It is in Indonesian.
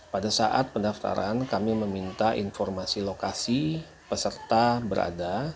pada saat pendaftaran kami meminta informasi lokasi peserta berada